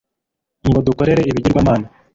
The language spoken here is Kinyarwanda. ngo dukorere ibigirwamana